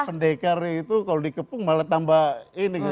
pendekar itu kalau dikepung malah tambah ini